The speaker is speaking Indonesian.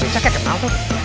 cak kayak kepalaku